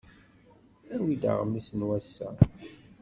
Awi-d aɣmis n wass-a!